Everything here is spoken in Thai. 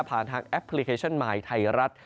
ผ่านทางแอปพลิเคชันไมค์ไทยรัฐ